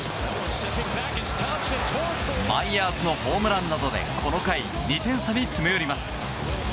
マイヤーズのホームランなどでこの回、２点差に詰め寄ります。